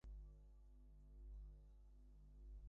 মানুষ এসব নির্দেশনা মাঝে মাঝে অমান্য করলেও পাখিরা ঠিকই মেনে চলে।